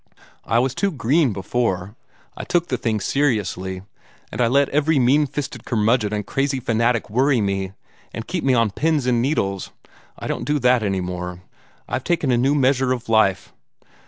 I was too green before. I took the thing seriously, and I let every mean fisted curmudgeon and crazy fanatic worry me, and keep me on pins and needles. I don't do that any more. I've taken a new measure of life.